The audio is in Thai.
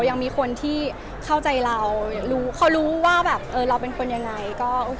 ยังมีคนที่เข้าใจเรารู้เขารู้ว่าแบบเออเราเป็นคนยังไงก็โอเค